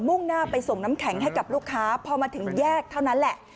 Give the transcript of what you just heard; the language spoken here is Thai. ่งหน้าไปส่งน้ำแข็งให้กับลูกค้าพอมาถึงแยกเท่านั้นแหละ